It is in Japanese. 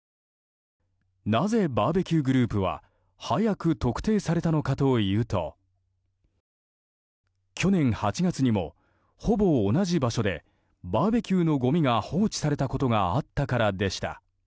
なぜバーベキューグループは早く特定されたのかというと去年８月にも、ほぼ同じ場所でバーベキューのごみが放置されたことがあったからでした。